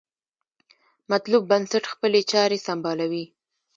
مطلوب بنسټ خپلې چارې سمبالوي.